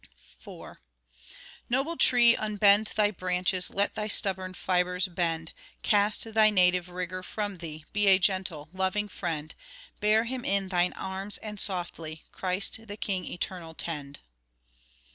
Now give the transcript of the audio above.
IV Noble tree! unbend thy branches, Let thy stubborn fibres bend, Cast thy native rigour from thee, Be a gentle, loving friend; Bear Him in thine arms, and softly, Christ, the King eternal, tend.